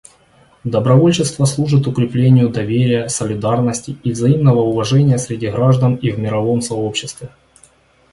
Добровольчество служит укреплению доверия, солидарности и взаимного уважения среди граждан и в мировом сообществе.